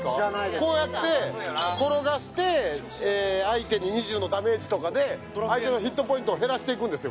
こうやって転がして相手に２０のダメージとかで相手のヒットポイントを減らしていくんですよ